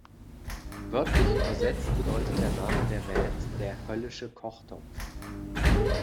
Wörtlich übersetzt bedeutet der Name der Band der „der höllische Kochtopf“.